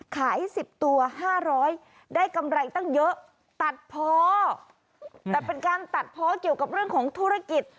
สิบตัวห้าร้อยได้กำไรตั้งเยอะตัดพอแต่เป็นการตัดพอเกี่ยวกับเรื่องของธุรกิจ